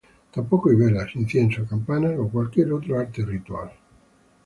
Tampoco hay velas, incienso, campanas o cualquier otro arte ritual.